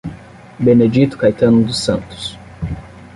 Benedito Caetano dos Santos